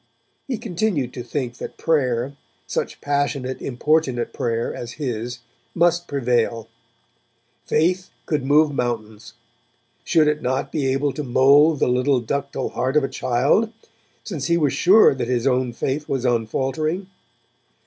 He continued to think that prayer, such passionate importunate prayer as his, must prevail. Faith could move mountains; should it not be able to mould the little ductile heart of a child, since he was sure that his own faith was unfaltering?